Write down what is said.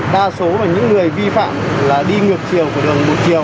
đa số những người vi phạm là đi ngược chiều của đường một chiều